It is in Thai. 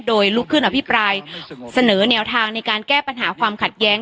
โดยลุกขึ้นอภิปรายเสนอแนวทางในการแก้ปัญหาความขัดแย้ง